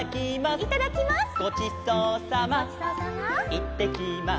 「いってきます」